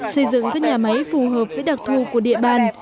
xây dựng các nhà máy phù hợp với đặc thù của địa bàn